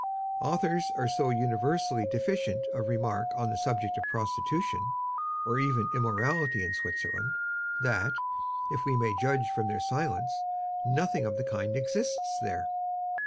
Authors are so universally deficient of remark on the subject of prostitution, or even of immorality in Switzerland, that, if we may judge from their silence, nothing of the kind exists there.